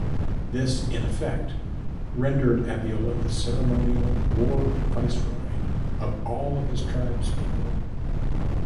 This in effect rendered Abiola the ceremonial War Viceroy of all of his tribespeople.